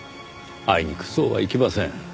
あいにくそうはいきません。